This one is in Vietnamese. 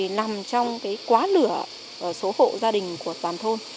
thì nằm trong quá lửa số hộ gia đình của toàn thôn